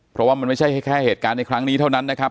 เพราะว่ามันไม่ใช่แค่เหตุการณ์ในครั้งนี้เท่านั้นนะครับ